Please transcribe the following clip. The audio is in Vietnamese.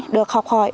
được học hỏi